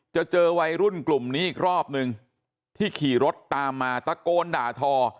เจอวัยรุ่นกลุ่มนี้อีกรอบนึงที่ขี่รถตามมาตะโกนด่าทอ